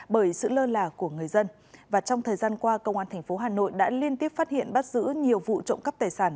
bởi sự lơ là của người dân và trong thời gian qua công an tp hà nội đã liên tiếp phát hiện bắt giữ nhiều vụ trộm cắp tài sản